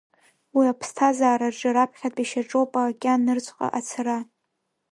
Уи аԥсҭазаараҿы раԥхьатәи шьаҿоуп аокеан нырцәҟа ацара.